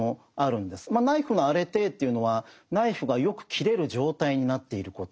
ナイフのアレテーというのはナイフがよく切れる状態になっていること。